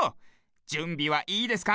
じゅんびはいいですか？